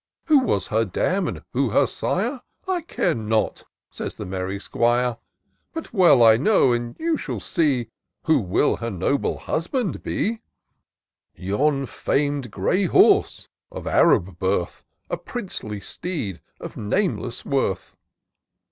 " Who was her dam, or who her sire, I care not," says the merry 'Squire: " But well I know, and you shall see, Who will her noble husband be ; Yon fam'd grey horse, of Arab birth, A princely steed, of nameless worth."